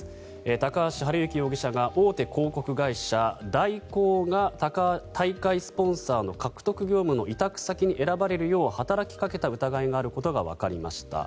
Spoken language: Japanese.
高橋治之容疑者が大手広告会社、大広が大会スポンサーの獲得業務の委託先に選ばれるよう働きかけた疑いがあることがわかりました。